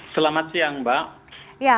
selamat siang mbak